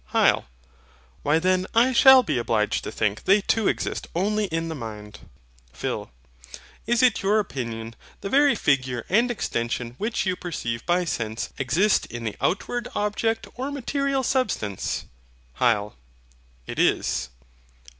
HYL. Why then I shall be obliged to think, they too exist only in the mind. PHIL. Is it your opinion the very figure and extension which you perceive by sense exist in the outward object or material substance? HYL. It is.